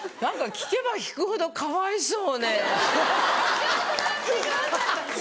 「聞けば聞くほどかわいそう」。